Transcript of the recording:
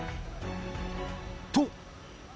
［と］